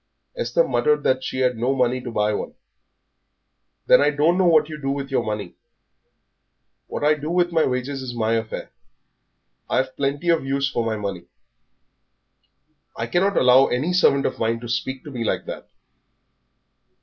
Esther muttered that she had no money to buy one. "Then I don't know what you do with your money." "What I do with my wages is my affair; I've plenty of use for my money." "I cannot allow any servant of mine to speak to me like that."